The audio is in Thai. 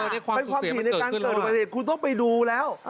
เป็นความผิดในการเกิดอุบัติเหตุคุณต้องไปดูแล้ว